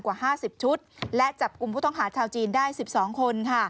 กว่า๕๐ชุดและจับกลุ่มผู้ต้องหาชาวจีนได้๑๒คน